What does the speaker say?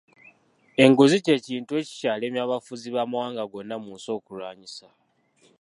Enguzi ky’ekintu ekikyalemye abafuzi bamawanga gonna mu nsi okulwanyisa.